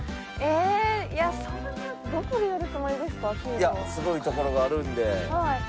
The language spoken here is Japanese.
いやすごい所があるんで。